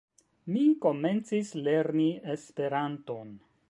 Mi komencis lerni Esperanton.